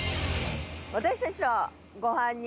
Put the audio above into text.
私たちとご飯に。